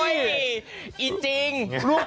อีจริง